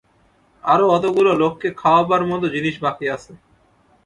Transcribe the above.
আরো অতগুলো লোককে খাওয়াবার মতো জিনিস বাকি আছে।